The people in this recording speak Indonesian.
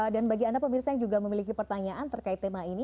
dan bagi anda pemirsa yang juga memiliki pertanyaan terkait tema ini